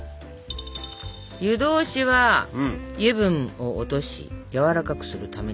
湯通しは油分を落としやわらかくするためにやります。